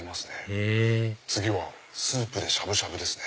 へぇ次はスープでしゃぶしゃぶです。